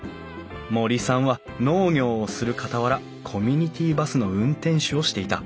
森さんは農業をするかたわらコミュニティーバスの運転手をしていた。